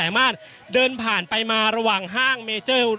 อย่างที่บอกไปว่าเรายังยึดในเรื่องของข้อ